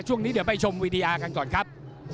ช่วงนี้เดี๋ยวไปชมวีดีอาร์กันก่อนครับ